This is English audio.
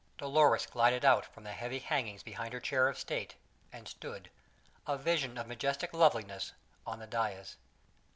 Dolores glided out from the heavy hangings behind her chair of state, and stood, a vision of majestic loveliness, on the dais.